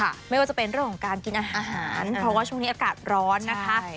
หมายว่าจะเป็นเรื่องของการกินอาหารเพราะว่าชกระศการตรอนนะคะ